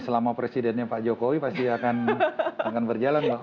selama presidennya pak jokowi pasti akan berjalan